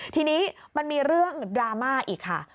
ทีนี้มันมีเรื่องดราม่าอีกค่ะ